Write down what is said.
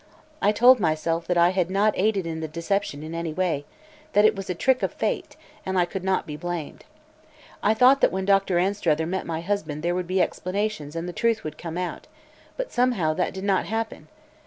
I told myself that I had not aided in the deception in any way, that it was a trick of fate, and I could not be blamed. I thought that when Doctor Anstruther met my husband there would be explanations and the truth would come out, but somehow that did not happen.